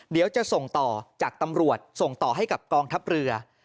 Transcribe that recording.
เดี๋ยวจะส่งต่อจากตำรวจส่งต่อให้กับกองทัพเรือ